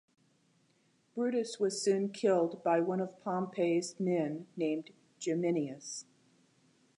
Brutus was soon killed by one of Pompey's men, named Geminius.